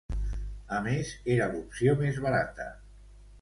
A més, era l’opció més barata.